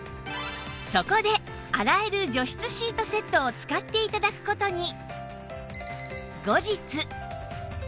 そこで洗える除湿シートセットを使って頂く事に